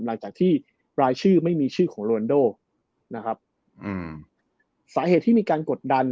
หลังจากที่รายชื่อไม่มีชื่อของโรนโดนะครับอืมสาเหตุที่มีการกดดัน